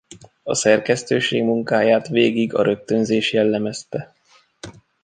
A szerkesztőség munkáját végig a rögtönzés jellemezte.